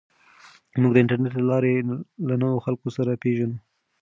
موږ د انټرنیټ له لارې له نویو خلکو سره پېژنو.